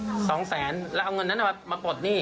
๒๐๐๐๐๐บาทแล้วเอาเงินนั้นมาปลดหนี้